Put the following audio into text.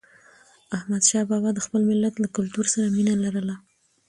احمدشاه بابا د خپل ملت له کلتور سره مینه لرله.